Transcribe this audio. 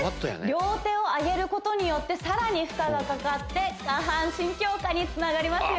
両手を上げることによってさらに負荷がかかって下半身強化につながりますよ